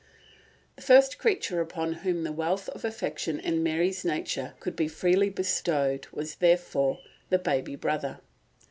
The first creature upon whom the wealth of affection in Mary's nature could be freely bestowed was, therefore, the baby brother.